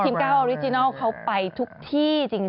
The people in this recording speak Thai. ก้าวออริจินัลเขาไปทุกที่จริง